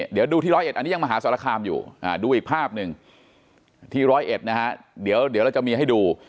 เดี๋ยวดูที่๑๐๑อันนี้ยังมหาสรคามอยู่ดูอีกภาพหนึ่งที่๑๐๑นะคะเดี๋ยวเราจะมีให้ดู